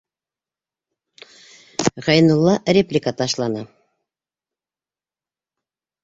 Ғәйнулла реплика ташланы: